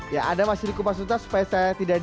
ya anda masih di kupas suntas supaya saya tidak